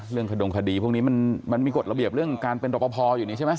ขดงคดีพวกนี้มันมีกฎระเบียบเรื่องการเป็นรอปภอยู่นี่ใช่ไหม